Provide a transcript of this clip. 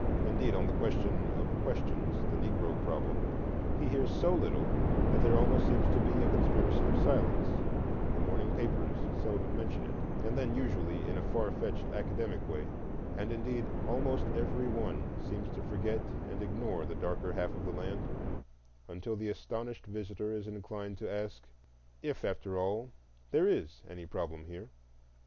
Indeed, on the question of questions—the Negro problem—he hears so little that there almost seems to be a conspiracy of silence; the morning papers seldom mention it, and then usually in a far fetched academic way, and indeed almost every one seems to forget and ignore the darker half of the land, until the astonished visitor is inclined to ask if after all there IS any problem here.